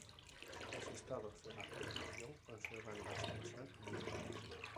Los Estados de la Federación conservan la extensión y límites.